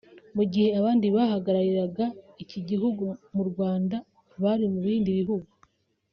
mu gihe abandi bahagariraga iki gihugu mu Rwanda bari mu bindi bihugu